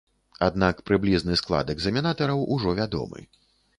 Аднак прыблізны склад экзаменатараў ужо вядомы.